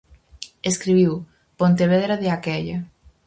Escribiu "Pontevedra de aquélla".